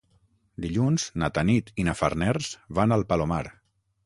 Dilluns na Tanit i na Farners van al Palomar.